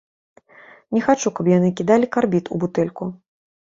Не хачу, каб яны кідалі карбід у бутэльку.